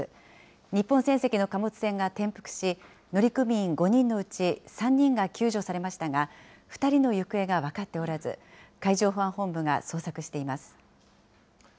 日本船籍の貨物船が転覆し、乗組員５人のうち３人が救助されましたが、２人の行方が分かっておらず、海上保安本部が捜索しています。